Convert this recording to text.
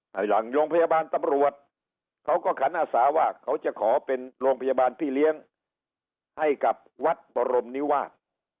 หลังโรงพยาบาลตำรวจเขาก็ขันอาสาว่าเขาจะขอเป็นโรงพยาบาลพี่เลี้ยงให้กับวัดบรมนิวาส